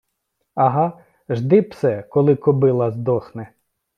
ага жди, псе, коли кобила здохне